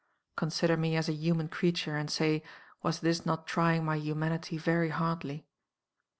Consider me as a human creature, and say, Was this not trying my humanity very hardly?